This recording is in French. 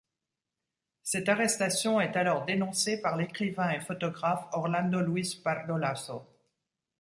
Cette arrestation est alors dénoncée par l'écrivain et photographe Orlando Luis Pardo Lazo.